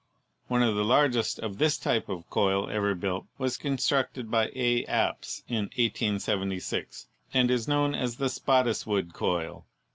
One of the largest of this type of coil ever built was constructed by A. Apps in 1876, and is known as the Spottiswoode coil.